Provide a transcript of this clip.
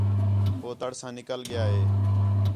ہو تڑ ساں نِکل ڳِیا ہِے